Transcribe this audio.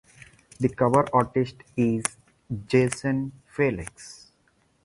The cover artist is Jason Felix.